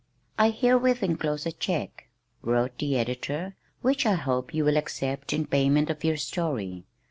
"I herewith enclose a check," wrote the editor, "which I hope you will accept in payment of your story....